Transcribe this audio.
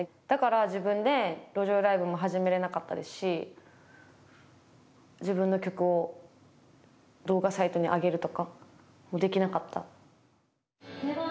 だから自分で路上ライブも始めれなかったですし自分の曲を動画サイトに上げるとかもできなかった。